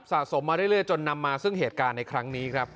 สะสมมาเรื่อยจนนำมาซึ่งเหตุการณ์ในครั้งนี้ครับ